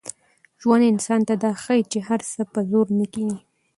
ژوند انسان ته دا ښيي چي هر څه په زور نه کېږي.